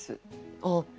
あっ。